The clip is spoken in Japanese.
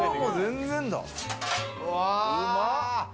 うまっ！